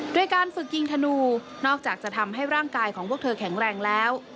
โดยการฝึกยิงธนูนอกจากจะทำให้ร่างกายของพวกเธอแข็งแรงแล้ว